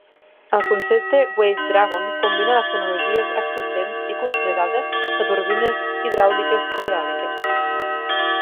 El concepte Wave Dragon combina les tecnologies existents i consolidades de turbines hidràuliques i eòliques.